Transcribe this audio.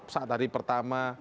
saat hari pertama